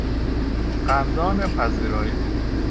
قندان پذیرایی